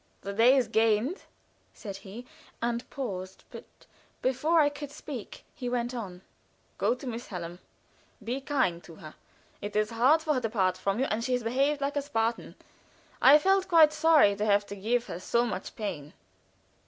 "The day is gained," said he, and paused; but before I could speak he went on: "Go to Miss Hallam; be kind to her. It is hard for her to part from you, and she has behaved like a Spartan. I felt quite sorry to have to give her so much pain."